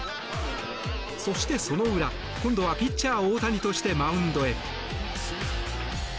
そして、その裏今度はピッチャー大谷としてマウンドへ。